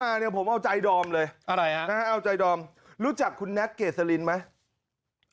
เนี่ยผมเอาใจดอมเลยอะไรฮะเอาใจดอมรู้จักคุณแน็กเกษลินไหม